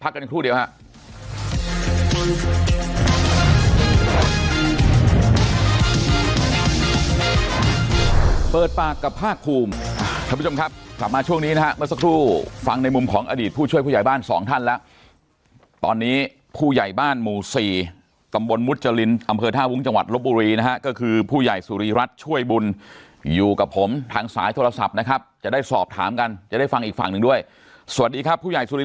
ก็เลยต้องหักเงินเดือนเราโดยมียอดทั้งหมดคนละ๕๐๐๐๐หรอ